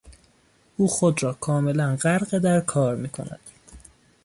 او خود را کاملا غرق در کار میکند.